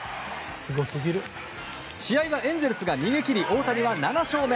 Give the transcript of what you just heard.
試合はエンゼルスが逃げ切り大谷は７勝目。